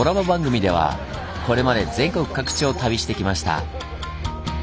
番組ではこれまで全国各地を旅してきました。